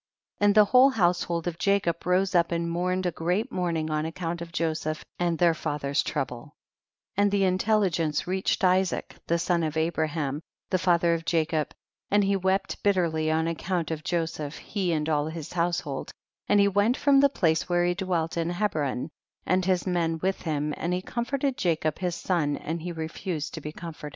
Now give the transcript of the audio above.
35. And the whole household of Jacob rose up and mourned a great mourning on account of Joseph and their father's trouble, and the intel ligence reached Isaac, the son of Abraham, the father of Jacob, and he wept bitterly on account of Jo seph, he and all his household, and he went from the place where he dwelt in Hebron, and his men with him, and he comforted Jacob his son, and he refused to be comforted.